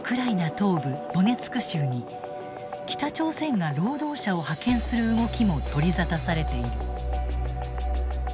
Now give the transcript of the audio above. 東部ドネツク州に北朝鮮が労働者を派遣する動きも取り沙汰されている。